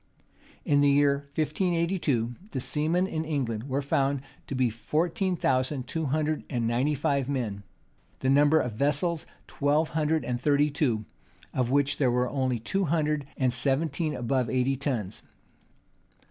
[] In the year 1582, the seamen in England were found to be fourteen thousand two hundred and ninety five men;[] the number of vessels twelve hundred and thirty two; of which there were only two hundred and seventeen above eighty tons.